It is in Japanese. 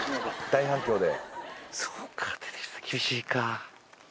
大反響で。